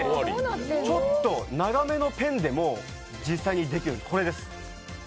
ちょっと長めのペンでも実際にできるんです。